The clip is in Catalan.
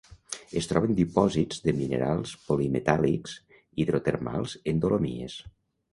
Es troba en dipòsits de minerals polimetàl·lics hidrotermals en dolomies.